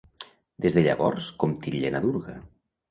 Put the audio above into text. Des de llavors com titllen a Durga?